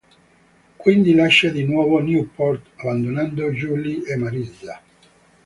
Quindi lascia di nuovo Newport, abbandonando Julie e Marissa.